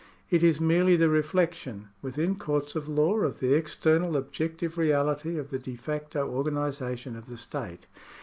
It is merely the reflection, within courts of law, of the external objective reality of the de facto organisation of the state.